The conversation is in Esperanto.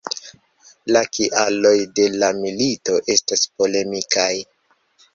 La kialoj de la milito estas polemikaj.